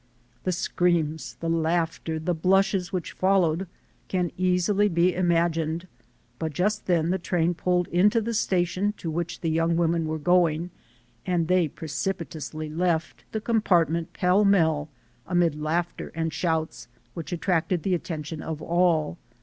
The screams, the laughter, the blushes which followed can easily be imagined, but just then the train pulled into the station to which the young women were going, and they precipitately left the compartment pell mell amid laughter and shouts which attracted the at tention of all.